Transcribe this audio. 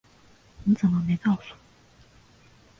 你怎么没告诉我